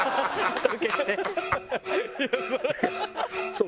そう。